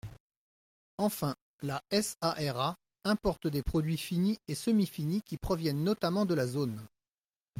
Enfin, la SARA importe des produits finis et semi-finis, qui proviennent notamment de la zone.